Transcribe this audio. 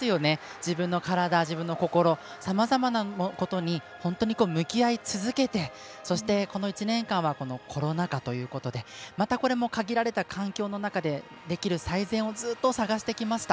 自分の体、自分の心さまざまなことに本当に向き合い続けてそして、この１年間はコロナ禍ということでまたこれも限られた環境の中でできる最善をずっと探してきました。